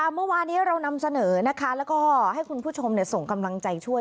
เมื่อวานี้เรานำเสนอนะคะแล้วก็ให้คุณผู้ชมส่งกำลังใจช่วย